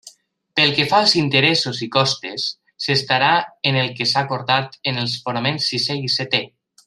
Pel que fa als interessos i costes s'estarà en el que s'ha acordat en els fonaments sisé i seté.